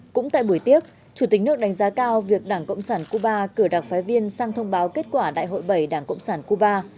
cũng tại buổi tiếp chủ tịch nước đánh giá cao việc đảng cộng sản cuba cử đặc phái viên sang thông báo kết quả đại hội bảy đảng cộng sản cuba